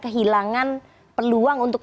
kehilangan peluang untuk